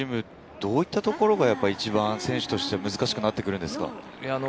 どういったところが一番選手として難しくなってくるんですか？